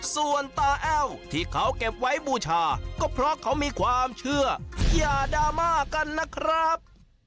ส่วนตาแอ้วที่เขาเก็บไว้บูชาก็เพราะเขามีความเชื่ออย่าดราม่ากันนะครับ